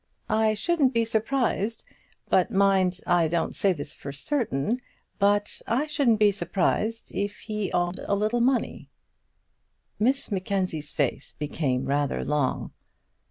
"I shouldn't be surprised but mind I don't say this for certain but I shouldn't be surprised if he owed a little money." Miss Mackenzie's face became rather long.